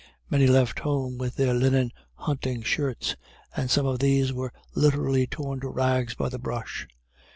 Many left home with their linen hunting shirts, and some of these were literally torn to rags by the brush.